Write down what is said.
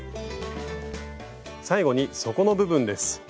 最後に底の部分です。